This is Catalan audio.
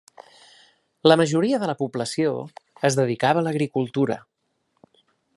La majoria de la població es dedicava a l'agricultura.